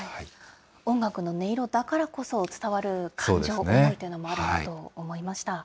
音楽の音色だからこそ伝わる感情、思いというのもあると思いました。